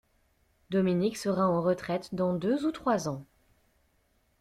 Dominique sera en retraite dans deux ou trois ans.